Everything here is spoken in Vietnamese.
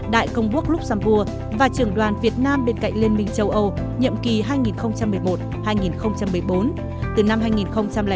đại công quốc luxembourg và trường đoàn việt nam bên cạnh liên minh châu âu nhậm kỳ hai nghìn một mươi một hai nghìn một mươi bốn